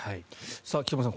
菊間さん